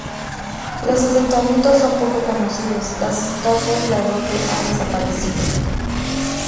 Los asentamientos son poco conocidos: las casas de adobe han desaparecido.